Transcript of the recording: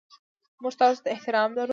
موږ تاسو ته احترام لرو.